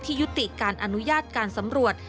ยุติการอนุญาตการสำรวจ